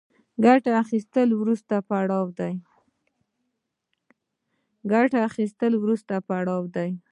ګټه اخیستنه وروستی پړاو دی